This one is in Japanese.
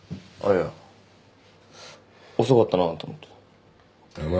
あっいや遅かったなと思って。